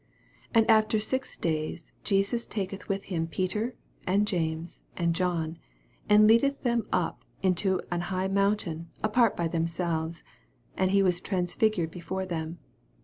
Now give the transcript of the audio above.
2 And after six days Jesus taketh with Mm Peter, and James, and John, and leadeth them up into an high mountain apart by themselves : and he was transfigured before them.